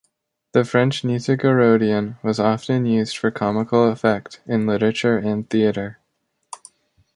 The French-Nizhegorodian was often used for comical effect in literature and theatre.